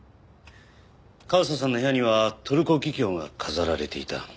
和沙さんの部屋にはトルコギキョウが飾られていた。